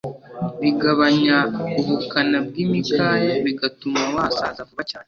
bigabanya ubukana bw'imikaya bigatuma wasaza vuba cyane.